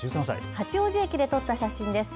八王子駅で撮った写真です。